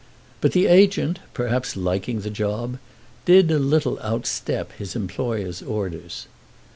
But the agent, perhaps liking the job, did a little outstep his employer's orders.